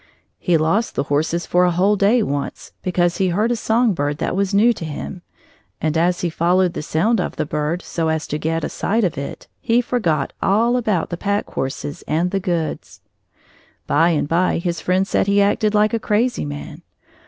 He lost the horses for a whole day once, because he heard a song bird that was new to him, and as he followed the sound of the bird so as to get a sight of it, he forgot all about the pack horses and the goods. By and by his best friends said he acted like a crazy man.